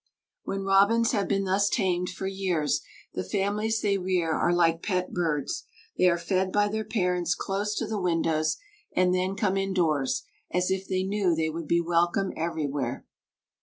When robins have been thus tamed for years the families they rear are like pet birds; they are fed by their parents close to the windows, and then come indoors, as if they knew they would be welcome everywhere.